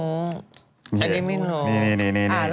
อันนี้ไม่รู้